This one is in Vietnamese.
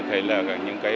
các hợp đồng nguyên tắc